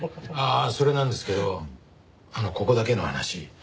ああそれなんですけどここだけの話。